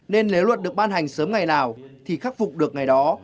nên nếu luật được ban hành sớm ngày nào thì khắc phục được ngày đó